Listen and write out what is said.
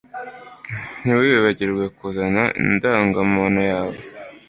Ntiwibagirwe kuzana indangamuntu yawe